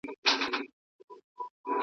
چي د تل لپاره `